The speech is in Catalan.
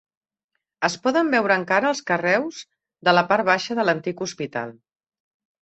Es poden veure encara els carreus de la part baixa de l'antic hospital.